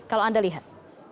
kalau anda lihat